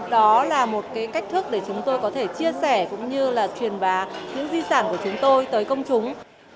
đó là một cái cách thức để chúng tôi có thể chia sẻ cũng như là truyền bá những di sản của chúng tôi tới công chúng